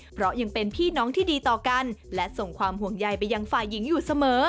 เพราะยังเป็นพี่น้องที่ดีต่อกันและส่งความห่วงใยไปยังฝ่ายหญิงอยู่เสมอ